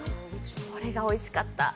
これがおいしかった。